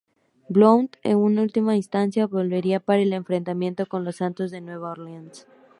Blount en última instancia, volvería para el enfrentamiento con los Santos de Nueva Orleans.